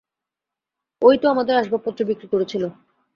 ওই তো আমাদের আসবাবপত্র বিক্রি করেছিল।